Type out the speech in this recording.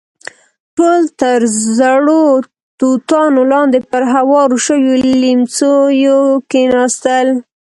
ټول تر زړو توتانو لاندې پر هوارو شويو ليمڅيو کېناستل.